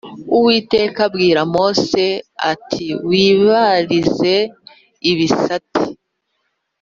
Uwiteka abwira Mose ati Wib rize ibisate